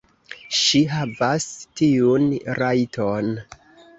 Ŝi havas tiun rajton.